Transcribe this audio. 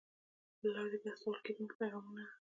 له لارې د استول کېدونکو پیغامونو